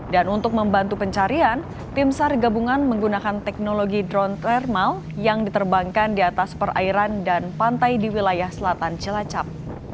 dan untuk membantu pencarian tim sar gabungan menggunakan teknologi drone thermal yang diterbangkan di atas perairan dan pantai di wilayah selatan cilacap